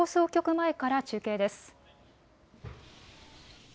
前から中継です。